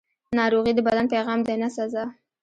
ناروغي د بدن پیغام دی، نه سزا.